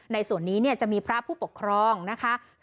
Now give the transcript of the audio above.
ในส่วนนี้จะมีพระผู้ปกครองนะคะ